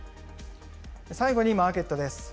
最後にマーケットです。